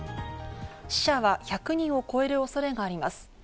死者は１００人を超える恐れがあります。